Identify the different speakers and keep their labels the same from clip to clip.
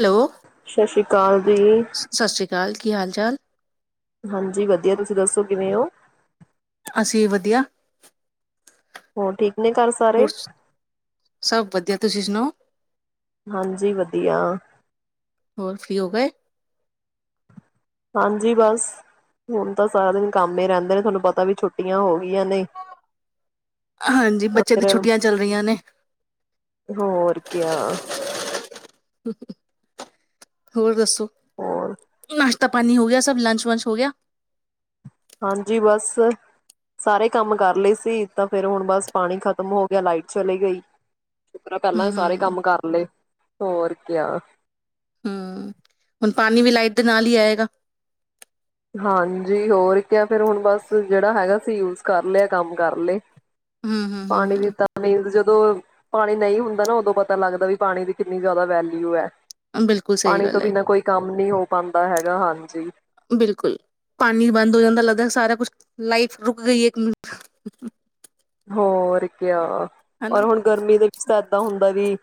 Speaker 1: Hello,
Speaker 2: ਸਤਿ ਸ਼੍ਰੀ ਅਕਾਲ ਜੀ
Speaker 1: ਸਤਿ ਸ੍ਰੀ ਅਕਾਲ ਕੀ ਹਾਲ? ਚੱਲ।
Speaker 2: ਹਾਂਜੀ ਵਧੀਆ, ਤੁਸੀਂ ਦੱਸੋ ਕਿਵੇਂ ਓ?
Speaker 1: ਅਸੀਂ ਵਧੀਆ।
Speaker 2: ਹੋ ਠੀਕ? ਨੇ ਘਰ ਸਾਰੇ
Speaker 1: ਹੋਰ ਸਭ ਵਧੀਆ। ਤੁਸੀਂ ਸੁਨਾਓ।
Speaker 2: ਹਾਂਜੀ ਵਧੀਆ।
Speaker 1: ਹੋਰ ਫ੍ਰੀ ਹੋ ਗਏ?
Speaker 2: ਹਾਂਜੀ ਬਸ ਹੁਣ ਤਾਂ ਸਾਰਾ ਦਿਨ ਕੰਮ ਹੀ ਰਹਿੰਦੇ ਨੇ ਤੁਹਾਨੂੰ ਪਤਾ ਵੀ ਛੁੱਟੀਆਂ ਹੋਗ। ਈਆ ਨੇ
Speaker 1: ਹਾਂਜੀ
Speaker 2: ਤਾਂ
Speaker 1: ਬੱਚੇ ਦੀ
Speaker 2: ਫਿਰ
Speaker 1: ਛੁੱਟੀਆਂ ਚੱਲ ਰਹੀਆਂ ਨੇ
Speaker 2: ਹੋਰ ਕਯਾ।
Speaker 1: ਹੋਰ ਦੱਸੋ।
Speaker 2: ਹੋਰ
Speaker 1: ਨਾ। ਤਪਾਨੀ ਹੋ ਗਿਆ ਸਭ ਲੰਚ ਵੰਚ ਹੋ ਗਿਆ?
Speaker 2: ਹਾਂਜੀ ਬਸ ਸਾਰੇ ਕੰਮ ਕਰ ਲਏ ਸੀ ਤਾਂ ਫਿਰ ਹੁਣ ਬਸ ਪਾਣੀ ਖਤਮ ਹੋ ਗਿਆ ਲਾਈਟ ਚਲੀ ਗਈ। ਸ਼ੁਕਰਾ ਪੱਲਾ
Speaker 1: ਹਮ
Speaker 2: ਸਾਰੇ
Speaker 1: ਹਮ
Speaker 2: ਕੰਮ ਕਰ ਲਏ। ਹੋਰ ਕਿਆ?
Speaker 1: ਹਮ ਹੁਣ ਪਾਣੀ ਵੀ ਲਾਈਟ ਦੇ ਨਾਲ ਹੀ ਆਏਗਾ।
Speaker 2: ਹਾਂਜੀ ਹੋਰ ਕ ਫਿਰ ਹੁਣ ਬਸ ਜਿਹੜਾ ਹੈਗਾ ਸੀ ਯੂਜ ਕਰ ਲਿਆ ਕੰਮ ਕਰ ਲਏ।
Speaker 1: ਹਮ ਹਮ ਹਮ
Speaker 2: ਪਾਣੀ ਦਿੱਤਾ ਨਹੀਂ ਹੋ। ਦੋ ਪਾਣੀ ਨਹੀਂ ਹੁੰਦਾ ਨਾ ਉਦੋਂ ਪਤਾ ਲੱਗਦਾ ਵੀ ਪਾਣੀ ਦੀ ਕਿੰਨੀ ਜ਼ਿਆਦਾ ਵੈਲਿਊ ਹੈ।
Speaker 1: ਹਮ ਬਿਲਕੁਲ ਸਹੀ
Speaker 2: ਪਾਣੀ ਤੋਂ
Speaker 1: ਗੱਲ ਹੈ
Speaker 2: ਬਿਨਾਂ ਕੋਈ ਕੰਮ ਨਹੀਂ ਹੋ ਪਾਉਂਦਾ ਹੈਗਾ ਹਾਂਜੀ।
Speaker 1: ਬਿਲਕੁਲ ਪਾਣੀ ਬੰਦ ਹੋ ਜਾਂਦਾ ਲੱਗਦਾ ਸਾਰਾ ਕੁਛ ਲਾਈਟ ਰੁਕ ਗਈ ਹੈ ਇੱਕ ਮਿੰਟ।
Speaker 2: ਹੋਰ ਕਯਾ। ਔਰ
Speaker 1: ਹਨਾ
Speaker 2: ਹੁਣ ਗਰਮੀ ਦੇ ਵਿੱਚ ਤਾਂ ਇਏਦਾਂ ਹੁੰਦਾ ਵੀ।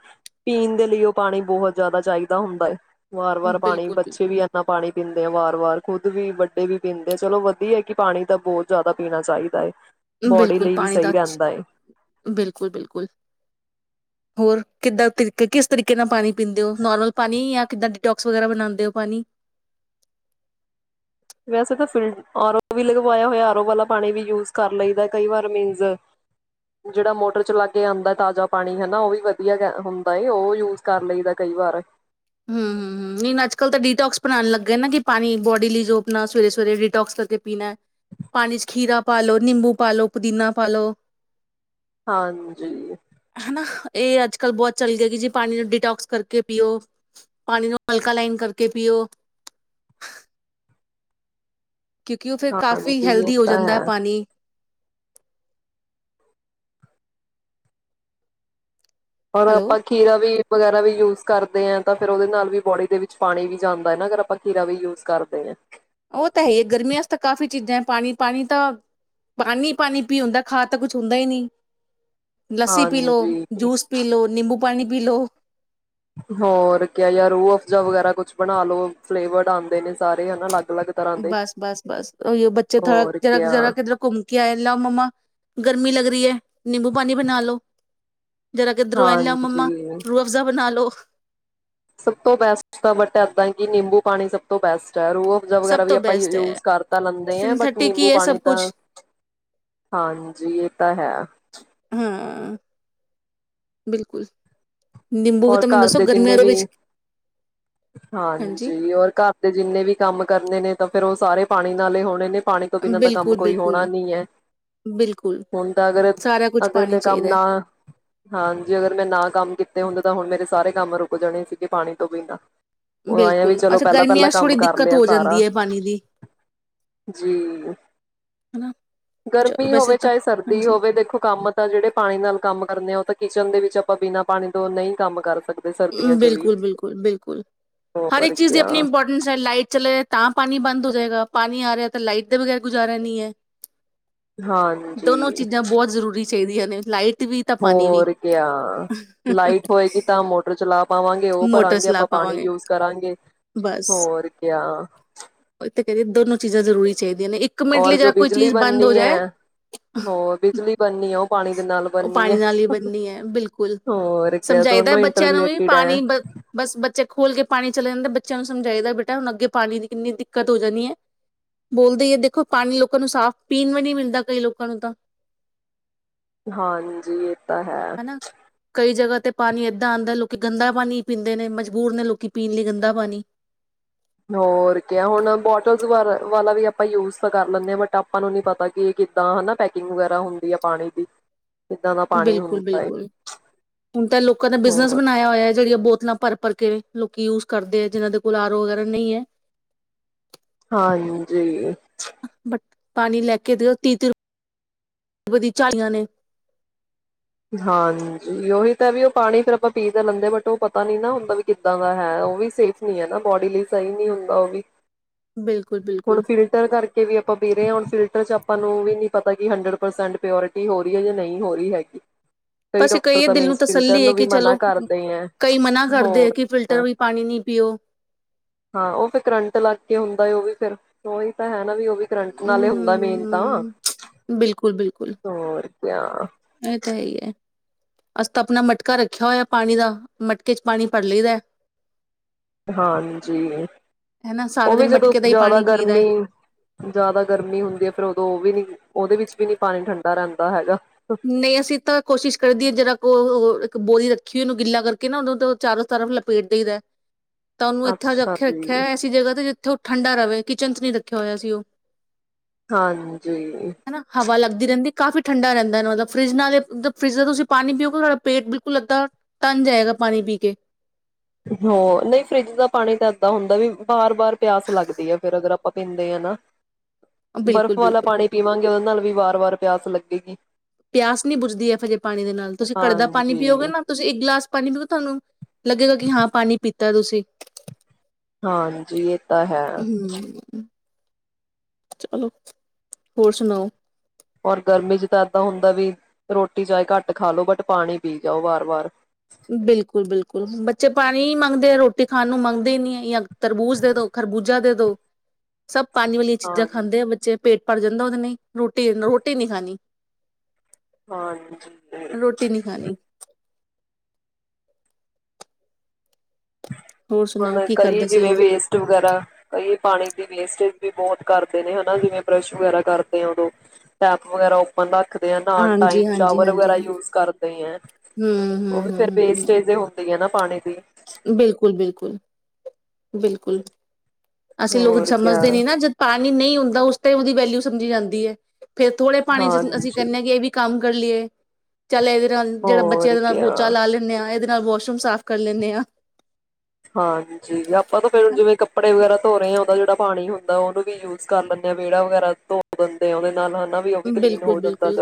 Speaker 2: ਪੀਣ ਦੇ ਲਈ ਉਹ ਪਾਣੀ ਬਹੁਤ ਜ਼ਿਆਦਾ ਚਾਹੀਦਾ ਹੁੰਦਾ ਹੈ। ਵਾਰ ਵਾਰ ਪਾਣੀ
Speaker 1: ਬਿਲਕੁਲ
Speaker 2: ਬੱਚੇ
Speaker 1: ਬਿਲਕੁਲ
Speaker 2: ਵੀ ਇੰਨਾ ਪਾਣੀ। ਪੀਂਦੇ ਆ ਵਾਰ ਵਾਰ ਖੁੱਦ ਵੀ, ਵੱਡੇ ਵੀ ਪੀਂਦੇ ਐ, ਚਲੋ ਵਧੀਆ ਹੈ ਕਿ ਪਾਣੀ ਤਾਂ ਬਹੁਤ ਜ਼ਿਆਦਾ ਪੀਣਾ ਚਾਹੀਦਾ ਹੈ। ਬੋਡੀ
Speaker 1: ਬਿਲਕੁਲ
Speaker 2: ਲਈ ਵੀ
Speaker 1: ਪਾਣੀ
Speaker 2: ਸਹੀ
Speaker 1: ਡੱਚ,
Speaker 2: ਰਹਿੰਦਾ ਹੈ।
Speaker 1: ਬਿਲਕੁਲ, ਬਿਲਕੁਲ, ਹੋਰ ਕਿੱਦਾਂ ਤਰੀਕੇ ਕਿਸ ਤਰੀਕੇ ਨਾਲ ਪਾਣੀ ਪੀਂਦੇ ਹੋ, ਨੋਰਮਲ ਪਾਣੀ ਜਾਂ ਕਿੱਦਾਂ ਡਿਟੋਕਸ ਵਗੈਰਾ ਬਣਾਉਂਦੇ ਹੋ ਪਾਣੀ।
Speaker 2: ਵੈਸੇ ਤਾਂ ਫਿਲ ਆਰ ਔ ਵੀ ਲਗਵਾਇਆ ਹੋਇਆ, ਆਰ ਓ ਵਾਲਾ ਪਾਣੀ ਵੀ ਯੂਜ ਕਰ ਲਈ ਦਾ ਕਈ ਵਾਰ ਮੀਨਜ਼ ਜਿਹੜਾ ਮੋਟਰ ਚਲਾ ਕੇ ਆਉਂਦਾ ਤਾਜ਼ਾ ਪਾਣੀ ਹੈਨਾ ਉਹ ਵੀ ਵਧੀਆ ਹੁੰਦਾ ਹੈ, ਔ ਵੀ ਯੂਜ ਕਰ ਲਈ ਦਾ ਕਈ ਵਾਰ।
Speaker 1: ਹੂ ਹੂ ਹੂ ਨਹੀਂ ਅੱਜ ਕੱਲ੍ਹ ਤਾਂ ਡੀਟੋਕਸ ਬਣਾਉਣ ਲੱਗੇ ਨਾ, ਕਿ ਪਾਣੀ ਬੋਡੀ ਲਈ ਜੋ ਆਪਣਾ ਸਵੇਰੇ ਸਵੇਰੇ ਡੀਟੋਕਸ ਕਰਕੇ ਪੀਣਾ ਪਾਣੀ ਚ ਖੀਰਾ ਪਾ ਲੋ ਨਿੰਬੂ ਪਾ ਲੋ ਪੁਦੀਨਾ ਪਾ ਲੋ।
Speaker 2: ਹਾਂਜੀ
Speaker 1: ਹੈਨਾ ਇਹ ਅੱਜ ਗਲ ਬਹੁਤ ਚੱਲ ਗਏ ਐ ਜੀ, ਪਾਣੀ ਨੂੰ ਡਿਟੋਕਸ ਕਰਕੇ ਪੀਓ। ਪਾਣੀ ਨੂੰ ਐਲਕਾਲਾਈਨ ਕਰਕੇ ਪੀਓ। ਕਿਉਂਕਿ ਉਹ ਫਿਰ, ਕਾਫ਼ੀ
Speaker 2: ਹਾਂਜੀ ਇਹ
Speaker 1: ਹੈਲਦੀ ਹੋ
Speaker 2: ਤਾਂ
Speaker 1: ਜਾਂਦਾ ਹੈ ਪਾਣੀ।
Speaker 2: ਪਰ
Speaker 1: ਹੈਲੋ
Speaker 2: ਆਪਾਂ ਖੀਰਾ ਵੀ ਵਗੈਰਾ ਵੀ ਯੂਜ ਕਰਦੇ ਆ ਤਾਂ ਫਿਰ ਉਹਦੇ ਨਾਲ ਵੀ ਬੋਡੀ ਦੇ ਵਿੱਚ ਪਾਣੀ ਵੀ ਜਾਂਦਾ ਹੈ ਨਾ, ਅਗਰ ਆਪਾਂ ਖੀਰਾ ਵੀ ਯੂਜ ਕਰਦੇ ਐ।
Speaker 1: ਉਹ ਤਾਂ ਹੈ ਹੀ ਹੈ ਗਰਮੀਆਂ ਚ ਤਾਂ ਕਾਫੀ ਚੀਜ਼ਾਂ ਹੈ ਪਾਣੀ ਪਾਣੀ ਤਾਂ, ਪਾਣੀ ਪਾਣੀ ਪੀ ਹੁੰਦਾ, ਖਾ ਤਾਂ ਕੁਛ ਹੁੰਦਾ ਹੀ ਨਹੀਂ। ਲੱਸੀ ਪੀ ਲੋ,
Speaker 2: ਹਾਂਜੀ
Speaker 1: ਜੂਸ ਪੀ ਲੋ, ਨਿੰਬੂ ਪਾਣੀ ਪੀ ਲੋ।
Speaker 2: ਹੋਰ ਕਯਾ ਯਾਰ ਰੂਹ ਅਫਜਾ ਵਗੈਰਾ ਕੁਛ ਬਣਾ ਲੋੋ, ਫਲੇਵਰ ਆਉਂਦੇ ਨੇ ਸਾਰੇ ਹੈਨਾ ਅਲਗ।
Speaker 1: ਬਸ ਬਸ ਬਸ ਓਹੀਓ ਬੱਚੇ ਥੋੜਾ
Speaker 2: ਹੋਰ
Speaker 1: ਜਰਾ
Speaker 2: ਕਿਆ
Speaker 1: ਜਰਾ ਕਿੱਧਰ ਘੁੰਮ ਕੇ ਆਏ, ਲਿਆਓ ਮੰਮਾ ਗਰਮੀ ਲੱਗ ਰਹੀ ਹੈ। ਨਿੰਬੂ ਪਾਣੀ ਬਣਾ ਲੋ। ਜਰਾ ਕਿੱਧਰੋਂ ਆਏ, ਲਿਆਓ ਮੰਮਾ,
Speaker 2: ਹਾਂਜੀ
Speaker 1: ਰੂ ਅਫ਼ਜ਼ਾ ਬਣਾ ਲੋ।
Speaker 2: ਸਭ ਤੋਂ ਬੈਸਟ, ਤਾਂ ਬਟ ਏਦਾਂ ਕਿ ਨਿੰਬੂ ਪਾਣੀ ਸਭ ਤੋਂ ਬੈਸਟ ਰੂ ਅਫਜ਼ਾ
Speaker 1: ਸਭ
Speaker 2: ਵਗੈਰਾ ਵੀ
Speaker 1: ਤੋਂ
Speaker 2: ਆਪਾਂ
Speaker 1: ਬੈਸਟ ਹੈ
Speaker 2: ਯੂਜ ਕਰ ਤਾਂ ਲੈਂਦੇ ਆ ਬਟ
Speaker 1: ਸਿੰਥੈਟਿਕ
Speaker 2: ਨਿੰਬੂ
Speaker 1: ਹੀ ਹੈ
Speaker 2: ਪਾਣੀ
Speaker 1: ਸਭ
Speaker 2: ਤਾਂ,
Speaker 1: ਕੁਛ
Speaker 2: ਹਾਂਜੀ ਇਹ ਤਾਂ ਹੈ।
Speaker 1: ਹਾਂ ਬਿਲਕੁਲ। ਨਿੰਬੂ ਵੀ
Speaker 2: ਹੋਰ
Speaker 1: ਤਾਂ ਮੈਨੂੰ
Speaker 2: ਘਰ
Speaker 1: ਦੱਸੋ
Speaker 2: ਦੇ
Speaker 1: ਗਰਮੀਆਂ
Speaker 2: ਜਿੰਨੇ ਵੀ,
Speaker 1: ਵਿੱਚ
Speaker 2: ਹਾਂਜੀ, ਹੋਰ ਘਰ ਦੇ ਜਿੰਨੇ ਵੀ ਕੰਮ ਕਰਨੇ ਨੇ ਤਾਂ ਫਿਰ ਉਹ ਸਾਰੇ ਪਾਣੀ ਨਾਲੇ ਹੀ ਹੋਣੇ ਨੇ। ਪਾਣੀ ਤੋਂ ਬਿਨਾਂ ਦਾ ਕੰਮ
Speaker 1: ਬਿਲਕੁਲ
Speaker 2: ਕੋਈ ਹੋਣਾ
Speaker 1: ਬਿਲਕੁਲ
Speaker 2: ਨਹੀਂ ਹੈ।
Speaker 1: ਬਿਲਕੁਲ
Speaker 2: ਹੁਣ ਤਾਂ ਅਗਰ,
Speaker 1: ਸਾਰਾ ਕੁਛ
Speaker 2: ਅਗਰ
Speaker 1: ਪਾਣੀ
Speaker 2: ਮੈਂ ਕੰਮ
Speaker 1: ਚਾਹੀਦਾ ਹੈ
Speaker 2: ਨਾ, ਹਾਂਜੀ ਅਗਰ ਮੈਂ ਨਾ ਕੰਮ ਤਾਂ ਹੁਣ ਮੇਰੇ ਸਾਰੇ ਕੰਮ ਰੁਕ ਜਾਣੇ ਸੀਗੇ, ਪਾਣੀ ਤੋਂ ਬਿਨਾਂ ਔ ਆਏਆ ਵੀ
Speaker 1: ਬਿਲਕੁਲ
Speaker 2: ਚਲੋ
Speaker 1: ਅੱਛਾ
Speaker 2: ਪਹਿਲਾਂ ਪਹਿਲਾਂ
Speaker 1: ਗਰਮੀਆਂ ਚ
Speaker 2: ਕੰਮ
Speaker 1: ਥੋੜ੍ਹੀ
Speaker 2: ਕਰ
Speaker 1: ਦਿੱਕਤ
Speaker 2: ਲਿਆ
Speaker 1: ਹੋ
Speaker 2: ਸਾਰਾ,
Speaker 1: ਜਾਂਦੀ ਹੈ ਪਾਣੀ ਦੀ
Speaker 2: ਜੀ,
Speaker 1: ਹਨਾ ਚਲੋ
Speaker 2: ਗਰਮੀ
Speaker 1: ਵੈਸੇ
Speaker 2: ਹੋਵੇ
Speaker 1: ਤਾਂ
Speaker 2: ਚਾਹੇ ਸਰਦੀ
Speaker 1: ਹਾਂਜੀ
Speaker 2: ਹੋਵੇ ਦੇਖੋ ਕੰਮ ਤਾਂ ਜਿਹੜੇ ਪਾਣੀ ਨਾਲ ਕੰਮ ਕਰਨੇ ਆ ਉਹ ਤੇ ਕਿਚਨ ਦੇ ਵਿੱਚ ਆਪਾਂ ਬਿਨਾਂ ਪਾਣੀ ਔ ਨਹੀਂ ਕੰਮ ਕਰਦੇ
Speaker 1: ਬਿਲਕੁਲ ਬਿਲਕੁਲ ਬਿਲਕੁਲ ਹਰ
Speaker 2: ਹੋਰ
Speaker 1: ਇੱਕ ਚੀਜ਼ ਦੀ
Speaker 2: ਕਿਆ
Speaker 1: ਆਪਣੀ ਇੰਪੋਰਟੈਂਸ ਹੈ, ਲਾਈਟ ਚਲੇ ਤਾਂ ਪਾਣੀ ਬੰਦ ਹੋ ਜਾਏਗਾ। ਪਾਣੀ ਆ ਰਿਹਾ ਤਾਂ ਲਾਈਟ ਦੇ ਬਗੈਰ ਗੁਜ਼ਾਰਾ ਨਹੀਂ ਹੈ। ਦੋਨੋ
Speaker 2: ਹਾਂਜੀ
Speaker 1: ਚੀਜ਼ਾਂ ਬਹੁਤ ਜ਼ਰੂਰੀ। ਚਾਹੀਦੀਆਂ ਨੇ ਲਾਈਟ ਵੀ ਤਾਂ ਪਾਣੀ ਵੀ
Speaker 2: ਹੋਰ ਕਿਆ ਲਾਈਟ ਹੋਏਗੀ ਤਾਂ ਮੋਟਰ ਚਲਾ ਪਾਵਾਂਗੇ ਉਹ
Speaker 1: ਮੋਟਰ
Speaker 2: ਭਰਾਂਗੇ
Speaker 1: ਚਲਾ
Speaker 2: ਆਪਾਂ ਪਾਣੀ
Speaker 1: ਪਾਵਾਂਗੇ
Speaker 2: ਯੂਜ ਕਰਾਂਗੇ
Speaker 1: ਬਸ
Speaker 2: ਹੋਰ ਕਿਆ।
Speaker 1: ਉਹ ਤੇ ਕਰੀਬ ਦੋਨੋ ਚੀਜ਼ਾ ਜ਼ਰੂਰੀ ਚਾਹੀਦੀ।
Speaker 2: ਹੋਰ ਜੋ ਬਿਜਲੀ ਬਣਨੀ ਹੈ, ਹੋਰ ਬਿਜਲੀ ਬਣਨੀ ਹੈ, ਉਹ ਪਾਣੀ ਦੇ ਨਾਲ
Speaker 1: ਉਹ
Speaker 2: ਬਣਨੀ
Speaker 1: ਪਾਣੀ
Speaker 2: ਹੈ।
Speaker 1: ਨਾਲ ਹੀ ਬੰਨੀ ਹੈ ਬਿਲਕੁਲ
Speaker 2: ਹੋਰ ਕਿਆ
Speaker 1: ਸਮਝਾਈਦਾ ਹੈ
Speaker 2: ਦੋਨੋ ਇੰਟਰ
Speaker 1: ਬੱਚਿਆਂ ਨੂੰ ਵੀ
Speaker 2: ਰਿਲੇਟਿਡ
Speaker 1: ਪਾਣੀ
Speaker 2: ਹੈ
Speaker 1: ਬ ਬਸ ਬੱਚੇ ਖੋਲ ਕੇ ਪਾਣੀ ਚਲੇ ਜਾਂਦੇ। ਬੱਚਿਆਂ ਨੂੰ ਸਮਝਾਈਦਾ ਬੇਟਾ ਹੁਣ ਅੱਗੇ ਪਾਣੀ ਦੀ ਕਿੰਨੀ ਦਿੱਕਤ ਹੋ ਜਾਣੀ ਹੈ। ਬੋਲਦੇ ਹੀ ਹੈ ਦੇਖੋ ਪਾਣੀ ਲੋਕਾਂ ਨੂੰ ਸਾਫ਼ ਪੀਣ ਵੀ ਨੀ ਮਿਲਦਾ ਕਈ ਲੋਕਾਂ ਨੂੰ ਤਾਂ।
Speaker 2: ਹਾਂਜੀ ਇਹ ਤਾਂ ਹੈ।
Speaker 1: ਹਨਾ ਕਈ ਜਗ੍ਹਾ ਤੇ ਪਾਣੀ ਇਦਾਂ ਆਉਂਦਾ ਲੋਕੀ ਗੰਦਾ ਪਾਣੀ ਪੀਂਦੇ ਨੇ ਮਜਬੂਰ ਨੇ, ਲੋਕੀ ਪੀਣ ਲਈ ਗੰਦਾ ਪਾਣੀ
Speaker 2: ਹੋਰ ਕਿਆ ਹੁਣ ਬੋਟਲਸ ਵਾਲਾ ਵੀ ਆਪਾਂ ਯੂਜ ਤਾਂ ਕਰ ਲੈਂਦੇ ਹਾਂ ਬਟ ਆਪਾਂ ਨੂੰ ਨਹੀਂ ਪਤਾ ਕਿ ਇਹ ਕਿੱਦਾਂ ਹੈਨਾ ਪੈਕਿੰਗ ਵਗੈਰਾ ਹੁੰਦੀ ਹੈ ਪਾਣੀ ਦੀ। ਕਿੱਦਾਂ ਦਾ ਪਾਣੀ ਹੁੰਦਾ ਹੈ
Speaker 1: ਬਿਲਕੁਲ-ਬਿਲਕੁਲ ਹੁਣ ਤਾਂ ਲੋਕਾਂ ਦਾ ਬਿਜਨਸ
Speaker 2: ਹੋਰ
Speaker 1: ਬਣਾਇਆ ਹੋਇਆ ਜਿਹੜੀਆਂ ਬੋਤਲਾਂ ਭਰ-ਭਰ ਕੇ ਵੇਚ ਲੋਕੀ ਯੂਜ ਕਰਦੇ ਹੈਂ ਜਿਹਨਾਂ ਦੇ ਕੋਲ ਆਰੋ ਵਗੈਰਾ ਨਹੀਂ ਹੈ।
Speaker 2: ਹਾਂਜੀ
Speaker 1: ਬਟ ਪਾਣੀ ਲੈ ਕੇ ਦੇਓ ਤੀਅ ਤੀਅ ਵੱਧੀ ਝਾਈਆਂ ਨੇ
Speaker 2: ਹਾਂਜੀ ਓਹੀ ਤਾਂ ਵੀ ਉਹ ਪਾਣੀ ਫਿਰ ਆਪਾਂ ਪੀ ਤਾਂ ਲੈਂਦੇ, ਬਟ ਉਹ ਪਤਾ ਨੀ ਨਾ ਓਦਾ ਵੀ ਕਿਦਾਂ ਦਾ ਹੈ। ਉਹ ਵੀ ਸੇਫ ਨਹੀਂ ਹੈ ਨਾ। ਬੋਡੀ ਲਈ ਸਹੀ ਨਹੀਂ ਹੁੰਦਾ ਉਹ ਵੀ। ਹੁਣ
Speaker 1: ਬਿਲਕੁਲ-ਬਿਲਕੁਲ
Speaker 2: ਫਿਲਟਰ ਕਰਕੇ ਵੀ ਆਪਾਂ ਪੀ ਰਹੇ ਹਾਂ। ਹੁਣ ਫਿਲਟਰ ਚ ਆਪਾਂ ਆਪਾਂ ਨੂੰ ਵੀ ਨਹੀ ਪਤਾ ਕਿ ਹੰਡਰਡ ਪਰਸੈਂਟ ਪਿਓਰਟੀ ਹੋ ਰਹੀ ਹੈ ਜਾਂ ਨਹੀਂ ਹੋ ਰਹੀ ਹੈਗੀ। ਕਈ
Speaker 1: ਬਸ ਇੱਕ
Speaker 2: ਡਾਕਟਰ
Speaker 1: ਇਹ
Speaker 2: ਤਾਂ
Speaker 1: ਦਿਲ ਨੂੰ
Speaker 2: ਮੀਨਸ ਫਿਲਟਰ
Speaker 1: ਤਸੱਲੀ ਐ
Speaker 2: ਨੂੰ ਵੀ
Speaker 1: ਕਿ
Speaker 2: ਮਨਾ
Speaker 1: ਚਲੋ
Speaker 2: ਕਰਦੇ ਐ।
Speaker 1: ਕਈ ਮਨਾ ਕਰਦੇ
Speaker 2: ਹੋਰ
Speaker 1: ਆ ਕਿ ਫਿਲਟਰ
Speaker 2: ਕਿਆ
Speaker 1: ਵੀ ਪਾਣੀ ਨੀ ਪੀਓ
Speaker 2: ਹਾਂ ਉਹ ਤੇ ਕਰੰਟ ਲੱਗ ਕੇ ਹੁੰਦਾ ਹੈ ਉਹ ਵੀ। ਫਿਰ ਉਹੀ ਤਾਂ ਹੈ ਨਾ ਵੀ ਉਹ ਵੀ ਕਰੰਟ ਨਾਲੇ ਹੁੰਦਾ ਮੇਨ ਤਾਂ
Speaker 1: ਹੂੰ ਬਿਲਕੁਲ-ਬਿਲਕੁਲ
Speaker 2: ਹੋਰ ਕਿਆ
Speaker 1: ਇਤੇ ਹੈ ਹੀ ਹੈ। ਅਸੀ ਤਾਂ ਆਪਣਾ ਮਟਕਾ ਰੱਖਿਆ ਹੋਇਆ। ਪਾਣੀ ਦਾ, ਮਟਕੇ ਚ ਪਾਣੀ ਭਰ ਲਈ ਦਾ।
Speaker 2: ਹਾਂਜੀ
Speaker 1: ਹਨਾ ਸਾਰਾ
Speaker 2: ਉਹ ਵੀ
Speaker 1: ਦਿਨ
Speaker 2: ਜਦੋਂ
Speaker 1: ਮਟਕੇ ਦਾ ਹੀ
Speaker 2: ਜ਼ਿਆਦਾ
Speaker 1: ਪਾਣੀ ਪੀਦਾ।
Speaker 2: ਗਰਮੀ, ਜ਼ਿਆਦਾ ਗਰਮੀ ਹੁੰਦੀ ਹੈ, ਫਿਰ ਉਦੋਂ ਉਹ ਵੀ ਨੀ ਉਹਦੇ ਵਿੱਚ ਵੀ ਨੀ ਪਾਣੀ ਠੰਡਾ ਰਹਿੰਦਾ ਹੈਗਾ।
Speaker 1: ਨਹੀਂ ਅਸੀਂ ਤਾਂ, ਕੋਸ਼ਿਸ਼ ਕਰਦੀ ਜਿਹਰਾ ਕੋ ਇੱਕ ਬੋਰੀ ਰੱਖੀ ਹੋਈ, ਉਹਨੂੰ ਗਿੱਲਾ ਕਰਕੇ ਨਾ, ਉਹਨੂ ਤੋਂ ਚਾਰੋਂ ਤਰਫ ਲਪੇਟ ਦੇਈ ਦਾ। ਤਾਂ ਉਹਨੂੰ ਇੱਥੇ ਜਾ
Speaker 2: ਅੱਛਾ
Speaker 1: ਕੇ
Speaker 2: ਜੀ
Speaker 1: ਰੱਖਿਆ ਐਸੀ ਜਗ੍ਹਾ ਤੇ ਜਿੱਥੋ ਠੰਡਾ ਰਵੇ। ਕਿਚਨ ਚ ਨਹੀਂ ਰੱਖਿਆ ਹੋਇਆ ਅਸੀ ਉਹ।
Speaker 2: ਹਾਂਜੀ
Speaker 1: ਹਨਾ ਹਵਾ ਲੱਗਦੀ ਰਹਿੰਦੀ ਕਾਫ਼ੀ ਠੰਡਾ ਰਹਿੰਦਾ ਇਨਾਂ ਮਤਲਬ ਫਰਿੱਜ ਨਾਲ ਫਰਿੱਜ ਦਾ ਤੁਸੀਂ ਪਾਣੀ ਪੀਓਗੇ ਤੁਹਾਡਾ ਪੇਟ ਬਿਲਕੁਲ ਅੱਧਾ ਤੰਜ ਜਾਏਗਾ ਪਾਣੀ ਪੀ ਕੇ।
Speaker 2: ਹੋਰ, ਨਹੀਂ ਫਰਿੱਜ ਦਾ ਪਾਣੀ ਤਾਂ ਏਦਾਂ ਹੁੰਦਾ ਵੀ, ਬਾਰ-ਬਾਰ ਪਿਆਸ ਲੱਗਦੀ ਹੈ। ਫਿਰ ਅਗਰ ਆਪਾਂ ਪੀਂਦੇ ਹਾਂ ਨਾ।
Speaker 1: ਬਿਲਕੁਲ
Speaker 2: ਬਰਫ਼ ਵਾਲਾ
Speaker 1: ਬਿਲਕੁਲ
Speaker 2: ਪਾਣੀ ਪੀਵਾਂਗੇ ਉਹਦੇ ਨਾਲ ਵੀ ਵਾਰ-ਵਾਰ ਪਿਆਸ ਲੱਗੇਗੀ
Speaker 1: ਪਿਆਸ ਨੀ ਬੁਜਦੀ ਹੈ ਫਜੇ ਪਾਣੀ ਦੇ ਨਾਲ ਤੁਸੀਂ ਘੜੇ ਪਾਣੀ ਪੀਓਗੇ
Speaker 2: ਹਾਂਜੀ
Speaker 1: ਨਾ ਤੁਸੀਂ ਇੱਕ ਗਲਾਸ ਪਾਣੀ ਪੀਓ ਤੁਹਾਨੂੰ ਲੱਗੇਗਾ ਕਿ ਹਾਂ ਪਾਣੀ ਪੀਤਾ ਤੁਸੀਂ
Speaker 2: ਹਾਂਜੀੀ ਇਹ ਤਾਂ ਹੈ
Speaker 1: ਹਮ ਚਲੋ ਹੋਰ ਸੁਣਾਓ
Speaker 2: ਔਰ ਗਰਮੀ ਚ ਤਾਂ ਇਏਦਾਂ ਹੁੰਦਾ ਵੀ ਰੋਟੀ ਚਏ ਘੱਟ ਖਾ ਲਓ ਬਟ ਪਾਣੀ ਪੀ ਜਾਓ ਵਾਰ ਵਾਰ
Speaker 1: ਬਿਲਕੁਲ ਬਿਲਕੁਲ ਬੱਚੇ ਪਾਣੀ ਹੀ ਮੰਗਦੇ ਆ ਰੋਟੀ ਤੇ ਖਾਣ ਨੂੰ ਮੰਗਦੇ ਹੀ ਨਹੀਂੀ ਹੈ ਜਾਂ ਤਰਬੂਜ਼ ਦੇ ਦੋ ਖਰਬੂਜਾ ਦੇ ਦੋ ਸਭ ਪਾਣੀ ਵਾਲੀਆਂ ਚੀਜ਼ਾਂ
Speaker 2: ਹਾਂਜੀ।
Speaker 1: ਖਾਂਦੇ ਆ ਬੱਚੇ ਪੇਟ ਭਰ ਜਾਂਦਾ ਉਹਦੇ ਨੇ ਰੋਟੀ ਰੋਟੀ ਨਹੀਂੀ ਖਾਣੀ ਰੋਟੀ ਨਹੀਂ ਖਾਣੀ
Speaker 2: ਹਾਂਜੀ
Speaker 1: ਹੋਰ ਸੁਣਾਓ
Speaker 2: ਹੁਣ
Speaker 1: ਕੀ
Speaker 2: ਕਈ
Speaker 1: ਕਰਦੇ ਸੀ
Speaker 2: ਜਿਵੇਂ
Speaker 1: ਹੋਰ
Speaker 2: ਵੇਸਟ ਵਗੈਰਾ ਕਈ ਪਾਣੀ ਵੇਸਟੇਜ ਵੀ ਬਹੁਤ ਕਰਦੇ ਨੇ ਹਨਾ ਜਿਵੇਂ ਬਰੱਸ਼ ਵਗੈਰਾ ਕਰਦੇ ਆ ਉਦੋਂ ਟੈਪ ਵਗੈਰਾ ਓਪਨ ਰੱਖ ਟਾਈਮ
Speaker 1: ਹਾਂਜੀ ਹਾਂਜੀ
Speaker 2: ਸ਼ਾਵਰ ਵਗੈਰਾ
Speaker 1: ਹਾਂਜੀ
Speaker 2: ਯੂਜ ਕਰਦੇ ਹੈ
Speaker 1: ਹਮ
Speaker 2: ਉਹ
Speaker 1: ਹਮ
Speaker 2: ਵੀ ਫੇਰ
Speaker 1: ਹਮ ਹਮ
Speaker 2: ਵੇਸਟਜ ਹੁੰਦੇ ਆ ਨਾ ਪਾਣੀ ਦੀ
Speaker 1: ਬਿਲਕੁਲ ਬਿਲਕੁਲ ਬਿਲਕੁਲ ਅਸੀਂ ਲੋਕ
Speaker 2: ਹੋਰ ਕਿਆ
Speaker 1: ਸਮਝਦੇ ਨੀ ਨਾ ਜਦ ਪਾਣੀ ਨਹੀਂ ਹੁੰਦਾ ਦਾ ਉਸ ਤ ਉਹਦੀ ਵੈਲਿਊ ਸਮਝੀ ਜਾਂਦੀ ਹੈ ਫੇਰ ਥੋੜੇ ਪਾਣੀ ਚ ਅਸੀਂ
Speaker 2: ਹਾਂਜੀ
Speaker 1: ਕਰਦਨੇ ਹਾਂ ਇਹ ਵੀ ਕੰਮ ਕਰਲੀਏ ਚੱਲ ਇਹਦੇ ਨਾਲ ਜਿਹੜਾ
Speaker 2: ਹੋਰ
Speaker 1: ਬੱਚਿਆਂਦੇ ਨਾਲ
Speaker 2: ਕਿਆ
Speaker 1: ਪੋਚਾ ਲਾ ਲੈਂਦੇ ਆਾਂ ਇਹਦੇ ਨਾਲ ਵਾਸ਼ਰੂਮ ਸਾਫ਼ ਕਰ ਲੈਂਦੇ ਹਾਂ
Speaker 2: ਹਾਂਜੀ ਆਪਾਂ ਤਾਂ ਫਿਰਰ
Speaker 1: ਹਨਾ
Speaker 2: ਜਿਵੇਂ ਕੱਪੜੇ ਵਗੈਰਾ ਧੋ ਰਹੇ ਆ ਉਹਦਾ ਜਿਹੜਾ ਪਾਣੀ ਹੁੰਦਾ ਉਹਨ ਵੀ ਯੂਜ ਕਰ ਲੈਂਦੇ ਹਾਂ ਵਿਹੜਾ ਵਗੈਰਾ ਧੋ ਦਿੰਦੇ ਆ ਉਹਦੇ ਨਾਲ ਹਨ
Speaker 1: ਬਿਲਕੁਲ ਬਿਲਕੁਲ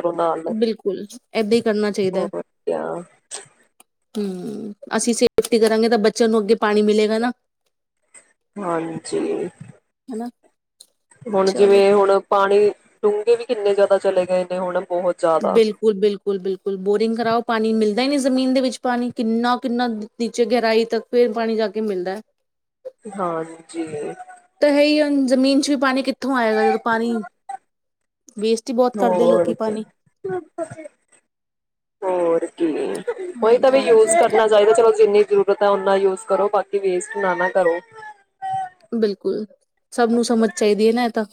Speaker 1: ਬਿਲਕੁਲ ਏਦਾਂ ਹੀ ਕਰਨਾ ਚਾਹੀਦਾ ਹੈ
Speaker 2: ਹੋਰ ਕਿਆ
Speaker 1: ਹਮ ਅਸੀਂ ਸੇਫਟੀ ਕਰਾਂਗੇ ਤਾਂ ਬੱਚਿਆਂ ਨੂੰ ਅੱਗੇ ਪਾਣੀ ਮਿਲੇਗਾ ਨਾ
Speaker 2: ਹਾਂਜੀ
Speaker 1: ਹਨਾ
Speaker 2: ਹੁਣ
Speaker 1: ਚਲੋ
Speaker 2: ਜਿਵੇਂ ਹੁਣ ਪਾਣੀ ਡੂੰਘੇ ਵੀ ਕਿੰਨੇ ਜ਼ਿਆਦਾ ਚਲੇ ਗਏਨ ਨੇ ਹੁਣ ਬਹੁਤ ਜ਼ਿਆਦਾ
Speaker 1: ਬਿਲਕੁਲ ਬਿਲਕੁਲ ਬਿਲਕੁਲ ਬੋਰਿੰਗ ਕਰਾਓ ਪਾਣੀ ਮਿਲਦਾ ਦ ਹੀ ਨਹੀਂ ਜ਼ਮੀਨ ਦੇ ਵਿੱਚ ਪਾਣੀ ਕਿੰਨਾ ਕਿੰਨਾ ਨੀਚੇ ਗਹਿਰਾਈ ਤੱਕ ਫਿਰ ਪਾਣੀ ਜਾ ਕੇ ਮਿਲਦਾ ਹੈ
Speaker 2: ਹਾਂਜੀ
Speaker 1: ਤਾਂ ਹੈ ਹੀ ਜ਼ਮੀਨ ਚ ਵੀ ਪਾਣੀ ਕਿੱ ਇੱਥੋਂ ਆਏਗਾ ਜਦੋਂ ਪਾਣੀ ਵੇਸਟ ਹੀ ਬਹੁਤ ਕਰਦੇ
Speaker 2: ਹੋਰ
Speaker 1: ਲੋਕੀ
Speaker 2: ਕਿਆ
Speaker 1: ਪਾਣੀ
Speaker 2: ਤੇ ਉਹੀ ਤਾਂ ਵੀ
Speaker 1: ਹਾਂਜੀ
Speaker 2: ਯੂਜ
Speaker 1: ਹਾਂਜੀ
Speaker 2: ਕਰਨਾ ਚਾਹੀਦਾ ਚਲੋ ਜਿੰਨੀ ਜ਼ਰੂਰਤ ਹੈ ਉਓਨਾ ਯੂਜ ਕਰੋ ਬਾਕੀ ਵੇਸਟ ਨਾ ਨਾ ਕਰੋ
Speaker 1: ਬਿਲਕੁਲ ਸਭ ਨੂੰ ਸਮਝ ਚਾਹੀਦੀ ਹੈ ਨਾ ਇਹ ਤਾਂ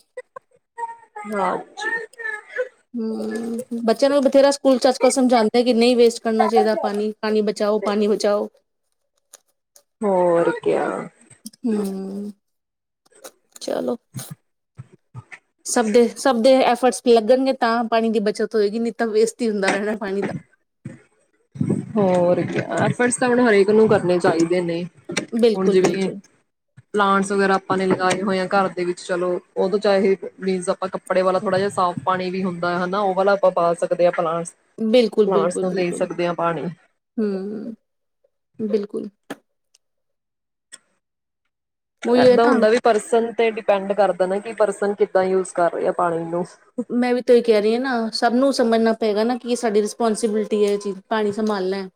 Speaker 2: ਹਾਂ
Speaker 1: ਹਮ ਬੱਚਿਆਂ ਨੂੰ ਬਥੇਰਾ ਸਕੂਲ ਚ ਅੱਜ ਕੱਲ ਸਮਝਾਂਦੇ ਕਿ ਨਹੀਂ ਵੇਸਟ ਕਰਨਾ ਚਾਹੀਦਾ ਪਾਣੀ, ਪਾਣੀ ਬਚਾਓ, ਪਾਣੀ ਬਚਾਓ।
Speaker 2: ਹੋਰ ਕਿਆ
Speaker 1: ਹਮ ਚਲੋ ਸਭ ਦੇ ਸਭ ਦੇ ਐਫਰਟਸ ਲੱਗਣਗੇ ਤਾਂ ਪਾਣੀ ਦੀ ਬੱਚਤ ਹੋਏਗੀ, ਨਹੀਂ ਤਾਂ ਵੇਸਟ ਹੀ ਹੁੰਦਾ ਰਹਿਣਾ ਪਾਣੀ ਤਾਂ
Speaker 2: ਹੋਰ ਕਿਆ, ਐਫਰਟਸ ਤਾਂ ਹੁਣ ਹਰ ਏਕ ਨੂੰ ਕਰਨੇ ਚਾਹੀਦੇ ਨੇ। ਹੁਣ
Speaker 1: ਬਿਲਕੁਲ
Speaker 2: ਜਿਵੇਂ
Speaker 1: ਬਿਲਕੁਲ
Speaker 2: ਪਲਾਂਟਸ ਵਗੈਰਾ ਆਪਾਂ ਨੇ ਲਗਾਏ ਹੋਏ ਹੈ। ਘਰ ਦੇ ਵਿੱਚ ਚਲੋ, ਉਹਦੋਂ ਚਾਹੇ ਮੀਨਸ ਆਪਾਂ ਕੱਪੜੇ ਵਾਲਾ ਥੋੜਾ ਜਿਹਾ ਸਾਫ਼ ਪਾਣੀ ਵੀ ਹੁੰਦਾ ਹਨਾ ਉਹ ਵਾਲਾ ਆਪਾਂ ਪਾ ਸਕਦੇ ਹਾਂ। ਪਲਾਂਟਸ
Speaker 1: ਬਿਲਕੁਲ,
Speaker 2: ਪਲਾਂਟਸ
Speaker 1: ਬਿਲਕੁਲ
Speaker 2: ਨੂੰ ਦੇ
Speaker 1: -ਬਿਲਕੁਲ
Speaker 2: ਸਕਦੇ ਹਾਂ ਪਾਣੀ
Speaker 1: ਹਮ, ਬਿਲਕੁਲ ਉਹੀ ਹੈ
Speaker 2: ਏਦਾਂ
Speaker 1: ਨਾ
Speaker 2: ਹੁੰਦਾ ਵੀ ਪਰਸਨ ਤੇ ਡਿਪੈਂਡ ਕਰਦਾ ਨਾ ਕਿ ਪਰਸਨ ਕਿੱਦਾਂ ਯੂਜ ਕਰ ਰਹੇ ਆ ਪਾਣੀ ਨੂੰ।
Speaker 1: ਮੈਂ ਵੀ ਤਾਂ ਇਹ ਕਹਿ ਰਹੀ ਹਾਂ ਨਾ, ਸਭ ਨੂੰ ਸਮਝਣਾ ਪਏਗਾ ਨਾ ਕਿ ਇਹ ਸਾਡੀ ਰਿਸਪੋਂਸੀਬਿਲਿਟੀ ਹੈ ਇਹ ਚੀਜ਼ ਪਾਣੀ ਸੰਭਾਲਨਾ।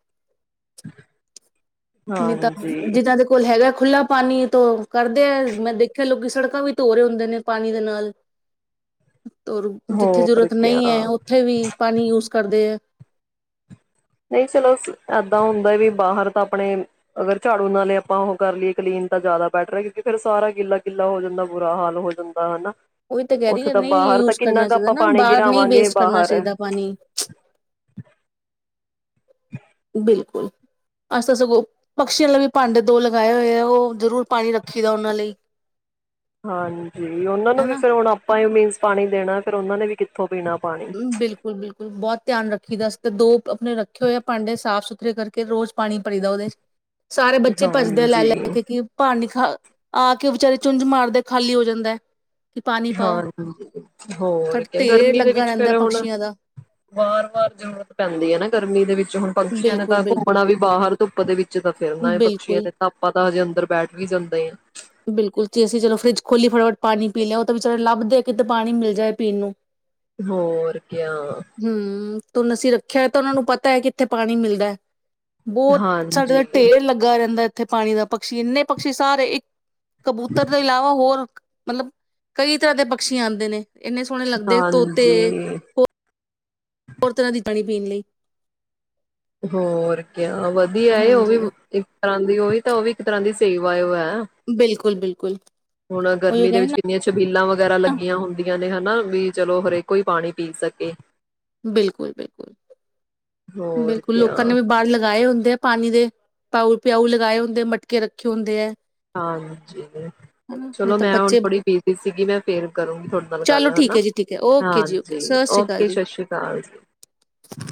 Speaker 1: ਨੀ ਤਾਂ
Speaker 2: ਹਾਂਜੀ
Speaker 1: ਜਿਦਾਂ ਦੇ ਕੋਲ ਹੈਗਾ ਖੁੱਲ੍ਹਾ ਪਾਣੀ ਤੋ ਕਰਦੇ ਆ ਮੈਂ ਦੇਖਿਆ, ਲੋਕੀ ਸੜਕਾਂ ਵੀ ਧੋ ਰਹੇ ਹੁੰਦੇ ਨੇ ਪਾਣੀ ਦੇ ਨਾਲ। ਜਿੱਥੇ
Speaker 2: ਹੋਰ
Speaker 1: ਜ਼ਰੂਰਤ ਨਹੀਂ ਹੈ,
Speaker 2: ਕਿਆ
Speaker 1: ਉੱਥੇ ਵੀ ਪਾਣੀ ਯੂਜ ਕਰਦੇ ਹੈ।
Speaker 2: ਨਹੀਂ ਚਲੋ, ਏਦਾਂ ਹੁੰਦਾ ਕਿ ਬਾਹਰ ਤਾਂ ਆਪਣੇ ਅਗਰ ਝਾੜੂ ਨਾਲ ਹੀ ਆਪਾਂ ਉਹ ਕਰ ਲਈਏ ਕਲੀਨ ਤਾਂ ਜ਼ਿਆਦਾ ਬੈਟਰ ਹੈ, ਕਿਉਂਕਿ ਫਿਰ ਸਾਰਾ ਗਿੱਲਾ- ਗਿੱਲਾ ਹੋ ਜਾਂਦਾ ਬੁਰਾ ਹਾਲ ਹੋ ਜਾਂਦਾ ਹਨਾ।
Speaker 1: ਉਹੀ ਤਾਂ ਕਹਿ
Speaker 2: ਉੱਥੇ
Speaker 1: ਰਹੀ, ਨਹੀਂ
Speaker 2: ਬਾਹਰ ਤਾਂ
Speaker 1: ਯੂਜ
Speaker 2: ਕਿੰਨਾ
Speaker 1: ਕਰਨਾ
Speaker 2: ਕੁ
Speaker 1: ਚਾਹੀਦਾ
Speaker 2: ਆਪਾਂ
Speaker 1: ਨਾ
Speaker 2: ਪਾਣੀ
Speaker 1: ਬਾਹਰ ਨਹੀਂ
Speaker 2: ਗਿਰਾਵਾਂਗੇ
Speaker 1: ਵੇਸਟ ਕਰਨਾ
Speaker 2: ਬਾਹਰ
Speaker 1: ਚਾਹੀਦਾ ਪਾਣੀ। ਬਿਲਕੁਲ ਅਸੀਂ ਤਾਂ ਸਗੋਂ ਪਕਸ਼ੀਆਂ ਲਈ ਵੀ ਭਾਂਡੇ ਦੋ ਲਗਾਏ ਹੋਏ ਆ, ਉਹ ਜ਼ਰੂਰ ਪਾਣੀ ਰੱਖੀ ਦਾ ਉਹਨਾਂ ਲਈ।
Speaker 2: ਹਾਂਜੀ ਉਹਨਾਂ ਨੂੰ ਵੀ
Speaker 1: ਹਨਾ
Speaker 2: ਫਿਰ ਹੁਣ ਆਪਾਂ ਹੀ ਮੀਨਸ ਪਾਣੀ ਦੇਣਾ ਫਿਰ ਉਹਨਾ ਨੇ ਵੀ ਕਿੱਥੋਂ ਪੀਣਾ ਪਾਣੀ
Speaker 1: ਬਿਲਕੁਲ-ਬਿਲਕੁਲ ਬਹੁਤ ਧਿਆਨ ਰੱਖੀ ਦਾ ਅਸੀ ਤੇ ਦੋ ਆਪਣੇ ਰੱਖੇ ਹੋਏ ਆ ਭਾਂਡੇ, ਸਾਫ਼ ਸੁਥਰੇ ਕਰਕੇ ਰੋਜ਼ ਪਾਣੀ ਭਰੀ ਦਾ ਉਹਦੇ ਚ। ਸਾਰੇ ਬੱਚੇ ਭੱਜਦੇ ਆ ਲੈ
Speaker 2: ਹਾਂਜੀ
Speaker 1: ਲੈ ਕੇ ਕੀ ਪਾਣੀ ਆ ਕੇ ਵਿਚਾਰੇ ਚੁੰਝ ਮਾਰਦੇ ਖਾਲੀ ਹੋ ਜਾਂਦਾ। ਕਿ ਪਾਣੀ ਪਾਓ
Speaker 2: ਹਾਂਜੀ ਹੋਰ
Speaker 1: ਸਾਡਾ
Speaker 2: ਕਿਆ
Speaker 1: ਢੇਰ
Speaker 2: ਗਰਮੀ ਦੇ
Speaker 1: ਲੱਗਾ
Speaker 2: ਵਿੱਚ
Speaker 1: ਰਹਿੰਦਾ
Speaker 2: ਫਿਰ ਹੁਣ
Speaker 1: ਪਕਸ਼ੀਆਂ ਦਾ
Speaker 2: ਵਾਰ- ਵਾਰ ਜ਼ਰੂਰਤ ਪੈਂਦੀ ਹੈ ਨਾ ਗਰਮੀ ਦੇ ਵਿੱਚ। ਪਕਸ਼ੀਆਂ ਨੇ
Speaker 1: ਬਿਲਕੁਲ
Speaker 2: ਤਾਂ
Speaker 1: ਬਿਲਕੁਲ
Speaker 2: ਘੁੰਮਣਾ ਵੀ ਬਾਹਰ ਧੁੱਪ ਦੇ ਵਿੱਚ ਤਾਂ ਫਿਰਨਾ ਹੈ ਪਕਸ਼ੀਆਂ
Speaker 1: ਬਿਲਕੁਲ
Speaker 2: ਨੇ ਤਾਂ ਆਪਾਂ ਹਜੇ ਅੰਦਰ ਬੈਠ ਵੀ ਜਾਂਦੇ ਆ
Speaker 1: ਬਿਲਕੁਲ ਜੀ ਅਸੀਂ ਚਲੋ ਫਰਿੱਜ ਖੋਲੀ ਫਟੋਫਟ ਪਾਣੀ ਪੀ ਲਿਆ ਉਹ ਤਾਂ ਵੀ ਵਿਚਾਰੇ ਲੱਭਦੇ ਆ ਕਿਤੇ ਪਾਣੀ ਮਿਲ ਜਾਏ ਪੀਣ ਨੂੰ
Speaker 2: ਹੋਰ ਕਿਆ
Speaker 1: ਤੁੁਸੀ ਅਸੀਂ ਰੱਖਿਆ ਹੋ ਤਾਂ ਉਹਨਾਂ ਨੂੰ ਪਤਾ ਹੈ ਕਿੱਥੇ ਪਾਣੀ ਮਿਲਦਾ ਹੈ ਬਹੁਤ ਸਾਡੇ ਦਾ
Speaker 2: ਹਾਂਜੀ
Speaker 1: ਢੇਰ ਲੱਗਾ ਰਹਿੰਦਾ ਹੈ ਇੱਥੇ ਪਾਣੀ ਦਾ ਪਕੀ ਇੰਨੇ ਪਕਸ਼ੀ ਸਾਰੇ ਇੱਕ ਕਬੂਤਰ ਤੋਂ ਇਲਾਵਾ ਹੋਰ ਮਤਲਬ ਕਈ ਤਰ੍ਹਾਂ ਦੇ ਪਾਕਸ਼ੀ ਆਉਂਦੇ ਨੇ ਇੰਨੇ ਸੋਹਣੇ ਲੱਗਦੇ ਤੋਤੇ
Speaker 2: ਹਾਂਜੀ
Speaker 1: ਹੋਰ ਹੋਰ ਤਰ੍ਹਾਂ ਦੀ ਪਾਣੀ ਪੀਣ ਲਈ
Speaker 2: ਹੋਰ ਵਧੀਆ ਇਹ ਉਹ ਵੀ
Speaker 1: ਹਾਂਜੀ
Speaker 2: ਹੁੰਦੀ ਹੋਏ ਵੀ ਇੱਕ ਤਰ੍ਹਾਂ ਦੀ ਸੇਹੀ ਵਾਯ ਹੈ
Speaker 1: ਬਿਲਕੁਲ ਬਿਲਕੁਲ
Speaker 2: ਹੁਣ
Speaker 1: ਉਹੀ
Speaker 2: ਗਰਮੀ ਦੇ
Speaker 1: ਕਹਿੰਦੇ
Speaker 2: ਵਿੱਚ
Speaker 1: ਨਾ
Speaker 2: ਕਿੰਨੀਆਂ ਛਬੀਲਾਂ ਵਗੈਰਾ ਲੱਗੀਆਂ ਹੁੰਦੀਆਂ ਨੇ ਹਨਾ ਵੀ ਚਲੋ ਹਰੇਕ ਹੀ ਪਾਣੀ ਪੀ ਸਕੇ
Speaker 1: ਬਿਲਕੁਲ ਬਿਲਕੁਲ
Speaker 2: ਹੋਰ
Speaker 1: ਬਿਲਕੁਲ
Speaker 2: ਕਿਆ
Speaker 1: ਲੋਕਾਂ ਨੇ ਵੀ ਬਾਹਰ ਲਗਾਏ ਹੁੰਦੇ ਦੇ ਪਾਣੀ ਦੇ ਪਾਉ ਪਿਊ ਲਗਾਏ ਹੁੰਦੇ ਮਟਕੇ ਰੱਖੇ ਹੁੰਦੇ ਹੈ
Speaker 2: ਹਾਂਜੀ
Speaker 1: ਹਨਾ ਨਹੀਂ
Speaker 2: ਚਲੋ
Speaker 1: ਤਾਂ
Speaker 2: ਮੈਂ ਹੁਣ
Speaker 1: ਬੱਚੇ
Speaker 2: ਥੋੜ੍ਹੀ ਬਿਜ਼ੀ ਸੀਗੀ ਮੈਂ ਫੇਿਰ ਕਰੂੰਗੀ ਤੁਹਾਡੇ ਨਾਲ ਗੱਲ
Speaker 1: ਚਲੋ
Speaker 2: ਹੈ
Speaker 1: ਠੀਕ
Speaker 2: ਨਾ
Speaker 1: ਜੀ ਠੀਕ ਹੈ ਓਕੇ ਜੀ ਓਕੇ
Speaker 2: ਹਾਂਜੀ
Speaker 1: ਸਤਿ ਸ਼੍ਰੀ ਅਕਾਲ
Speaker 2: ਓਕੇ
Speaker 1: ਜੀ
Speaker 2: ਸਤਿ ਸ਼੍ਰੀ ਅਕਾਲ ਜੀ